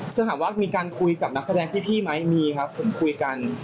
ซึ่งถามว่ามีการคุยกับนักแสดงพี่ไหมมีครับผมคุยกัน